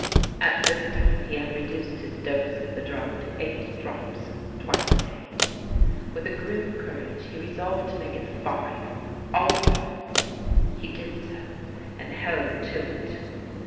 At this time he had reduced his dose of the drug to eight drops twice a day. With a grim courage he resolved to make it five all at once. He did so, and held to it.